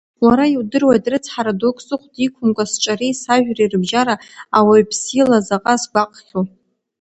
Уара иудыруеит, рыцҳара дук сыхәда иқәымкәа сҿареи сажәреи рыбжьара ауаҩԥс ила заҟа сгәаҟхьоу.